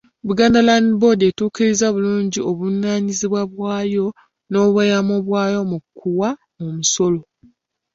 Buganda Land Board etuukiriza bulungi obuvunaanyizibwa bwayo n’obweyamo mu kuwa omusolo.